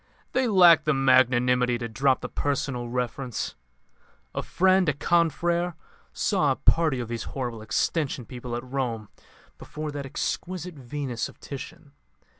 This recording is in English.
They lack the magnanimity to drop the personal reference. A friend, a confrère, saw a party of these horrible Extension people at Rome before that exquisite Venus of Titian.